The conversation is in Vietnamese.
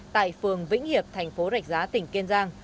tại phường vĩnh hiệp thành phố rạch giá tỉnh kiên giang